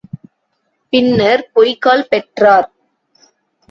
பின்னர் பொய்க்கால் பெற்றார்.